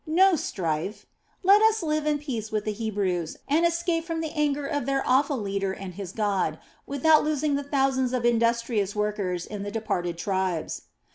No strife! Let us live at peace with the Hebrews, and escape from the anger of their awful leader and his God, without losing the thousands of industrious workers in the departed tribes.